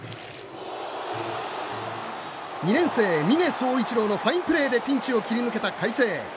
２年生、峯蒼一郎のファインプレーでピンチを切り抜けた海星。